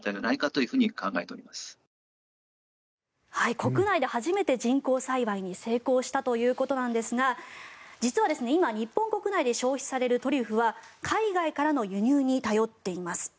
国内で初めて人工栽培に成功したということなんですが実は今、日本国内で消費されるトリュフは海外からの輸入に頼っています。